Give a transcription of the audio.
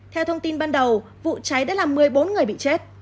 theo thông tin ban đầu vụ cháy đã làm một mươi bốn người bị chết